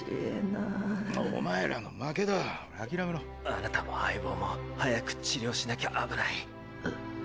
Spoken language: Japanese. あなたも相棒も早く治療しなきゃ危ない。